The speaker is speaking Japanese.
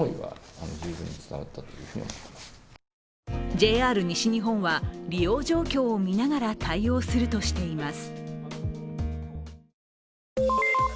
ＪＲ西日本は、利用状況を見ながら対応するとしています。